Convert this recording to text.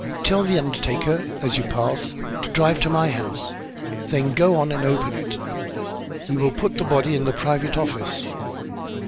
Tell the undertaker, as you pass, to drive to my house. Then go on and open it. We will put the body in the private office.